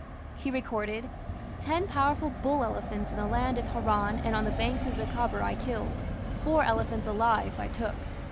He recorded: "Ten powerful bull elephants in the land of Haran and on the banks of the Khabour I killed; four elephants alive I took.